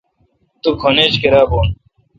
تم کھن ایچ کیرا بھون۔